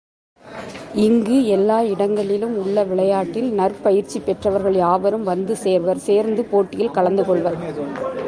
இங்கு எல்லா இடங்களிலும் உள்ள விளயாட்டில் நற்பயிற்சி பெற்றவர்கள் யாவரும் வந்து சேர்வர் சேர்ந்து போட்டியில் கலந்து கொள்வர்.